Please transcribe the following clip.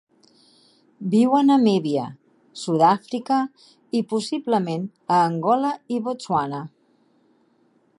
Viu a Namíbia, Sud-àfrica i possiblement a Angola i Botswana.